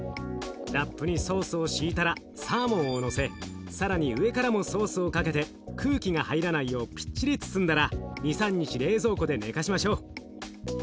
ラップにソースを敷いたらサーモンをのせ更に上からもソースをかけて空気が入らないようぴっちり包んだら２３日冷蔵庫で寝かしましょう。